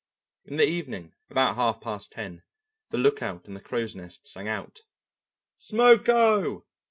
In the evening about half past ten, the lookout in the crow's nest sang out: "Smoke oh!"